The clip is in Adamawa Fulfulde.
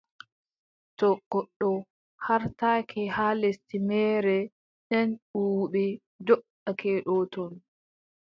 To goɗɗo haartake haa lesdi meere, nden buubi njooɗake dow ton,